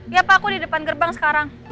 ya pak aku di depan gerbang sekarang